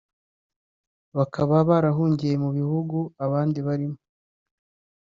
bakaba barahungiye mu bihugu abandi barimo